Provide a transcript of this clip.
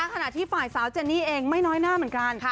ขณะที่ฝ่ายสาวเจนนี่เองไม่น้อยหน้าเหมือนกัน